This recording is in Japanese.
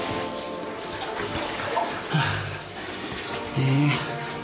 ええ？